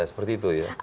ya seperti itu ya